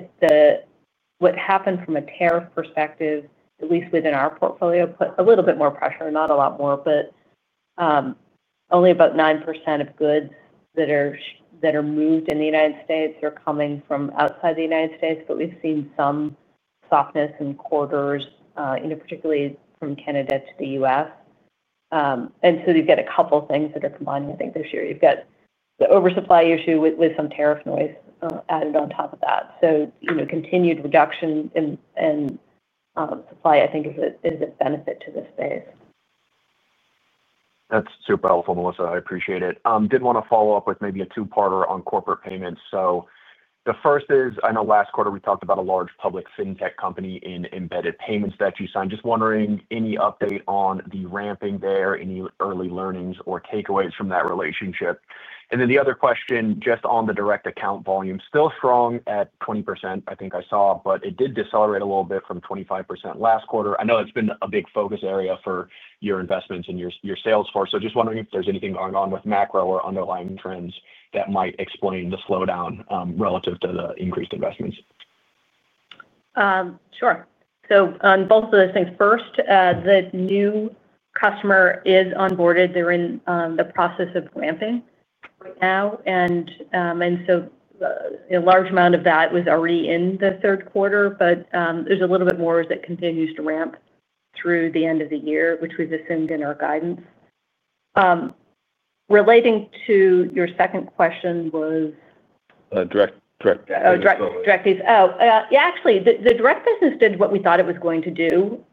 What happened from a tariff perspective, at least within our portfolio, put a little bit more pressure, not a lot more. Only about 9% of goods that are moved in the U.S. are coming from outside the U.S. We've seen some softness in quarters, particularly from Canada to the U.S., and you get a couple things that are combining. I think this year you've got the oversupply issue with some tariff noise added on top of that. Continued reduction in supply I think is a benefit to this space. That's super helpful, Melissa. I appreciate it. Did want to follow up with maybe a two parter on Corporate Payments. The first is, I know last quarter we talked about a large public fintech company in embedded payments that you signed. Just wondering, any update on the ramping there? Any early learnings or takeaways from that relationship? The other question, just on the direct account, volume still strong at 20% I think I saw. It did decelerate a little bit from 25% last quarter. I know it's been a focus area for your investments and your sales force. Just wondering if there's anything going on with macro or underlying trends that might explain the slowdown relative to the increased investments. Sure. On both of those things, first the new customer is onboarded, they're in the process of ramping right now. A large amount of that was already in the third quarter, but there's a little bit more that can be to ramp through the end of the year, which we've assumed in our guidance relating to. Your second question was directly the direct business did what we thought it was going to do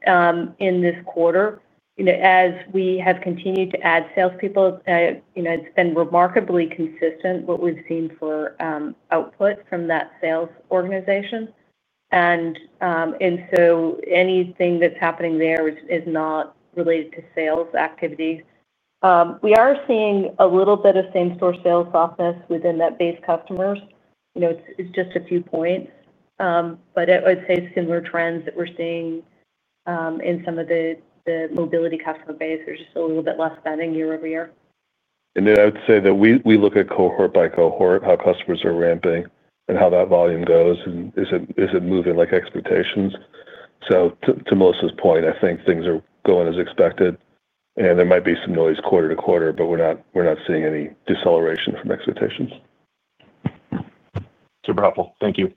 in this quarter. As we have continued to add salespeople, it's been remarkably consistent what we've seen for output from that sales organization. Anything that's happening there is not related to sales activity. We are seeing a little bit of same store sales softness within that base customers. It's just a few points, but I would say similar trends that we're seeing in some of the Mobility customer base. There's just a little bit less spending year-over-year. We look at cohort by cohort, how customers are ramping up and how that volume goes and is it moving like expectations? To Melissa's point, I think things are going as expected and there might be some noise quarter to quarter, but we're not seeing any deceleration from expectations. Super helpful, thank you.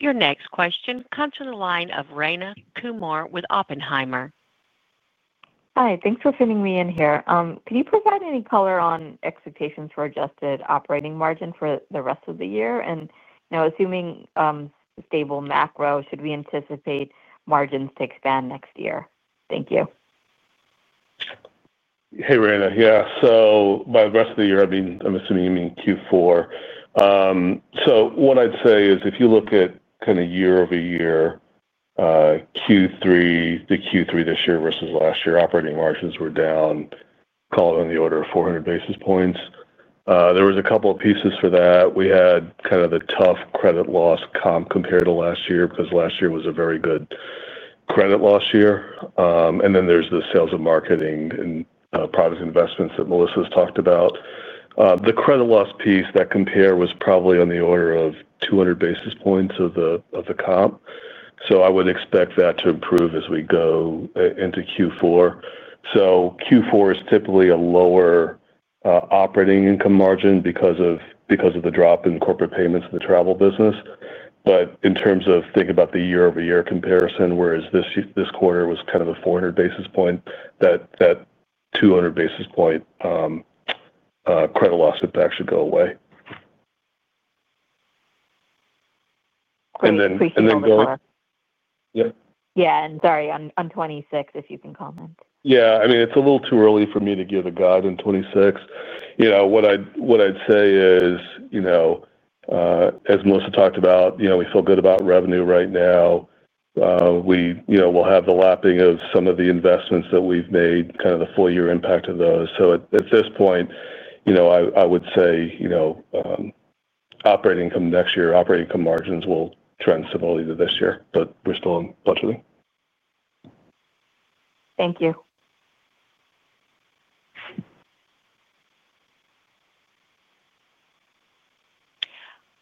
Your next question comes from the line of Rayna Kumar with Oppenheimer. Hi, thanks for fitting me in here. Can you provide any color on expectations for adjusted operating margin for the rest of the year? Now, assuming stable macro, should we anticipate margins to expand next year? Thank you. Hey, Rayna. Yeah, so by the rest of the year, I'm assuming you mean Q4. What I'd say is if you look at kind of year-over-year Q3-Q3 this year versus last year, operating margins were down, call it on the order of 400 basis points. There was a couple of pieces for that. We had kind of the tough credit loss compared to last year because last year was a very good credit loss year. Then there's the sales and marketing and product investments that Melissa has talked about. The credit loss piece that compare was probably on the order of 200 basis points of the comp. I would expect that to improve as we go into Q4. Q4 is typically a lower operating income margin because of the drop in Corporate Payments in the travel business. In terms of think about the year-over-year comparison, whereas this quarter was kind of a 400 basis point, that 200 basis point credit loss impact should go away. Yeah. Sorry, on 26, if you can comment. Yeah, I mean, it's a little too early for me to give a guide in 2026. What I'd say is, as Melissa talked about, we feel good about revenue right now. We'll have the lapping of some of the investments that we've made, kind of the full year impact of those. At this point, I would say operating income next year, operating income margins will trend similarly to this year. We're still on budgeting. Thank you.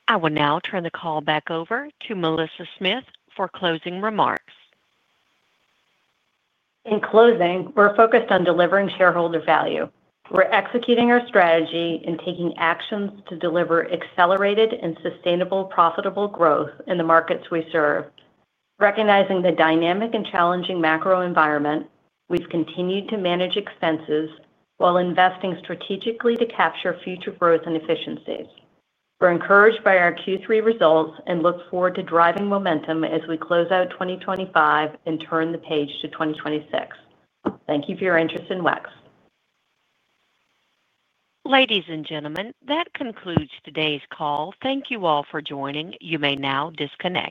I will now turn the call back over to Melissa Smith for closing remarks. In closing, we're focused on delivering shareholder value. We're executing our strategy and taking actions to deliver accelerated and sustainable profitable growth in the markets we serve. Recognizing the dynamic and challenging macro environment, we've continued to manage expenses while investing strategically to capture future growth and efficiencies. We're encouraged by our Q3 results and look forward to driving momentum as we close out 2025 and turn the page to 2026. Thank you for your interest in WEX. Ladies and gentlemen, that concludes today's call. Thank you all for joining. You may now disconnect.